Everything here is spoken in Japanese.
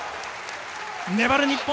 粘る日本！